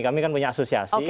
kami kan punya asosiasi